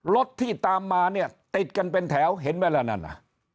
รถที่ตามมาเนี่ยติดกันเป็นแถวเห็นไหมล่ะนั่นน่ะ